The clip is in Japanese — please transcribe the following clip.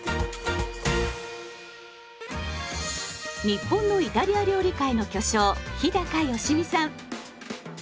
日本のイタリア料理界の巨匠日良実さん。